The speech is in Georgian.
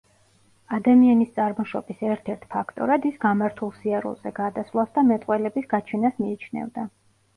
ადამიანის წარმოშობის ერთ-ერთ ფაქტორად ის გამართულ სიარულზე გადასვლას და მეტყველების გაჩენას მიიჩნევდა.